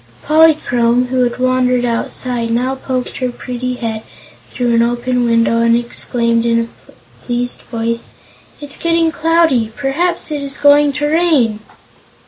Polychrome, who had wandered outside, now poked her pretty head through an open window and exclaimed in a pleased voice: "It's getting cloudy. Perhaps it is going to rain!"